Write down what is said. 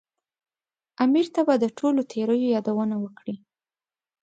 امیر ته به د ټولو تېریو یادونه وکړي.